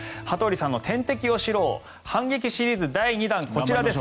羽鳥さんの天敵を知ろう反撃シリーズ第２弾。